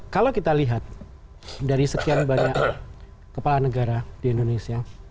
kalau kita lihat dari sekian banyak kepala negara di indonesia